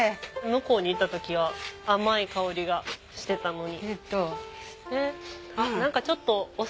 向こうにいた時は甘い香りがしてたのに。